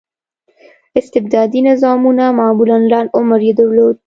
استبدادي نظامونه معمولا لنډ عمر یې درلود.